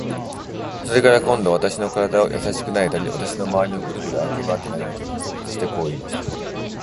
それから、今度は私の身体をやさしくなでたり、私のまわりをぐるぐる歩きまわって眺めていました。そしてこう言いました。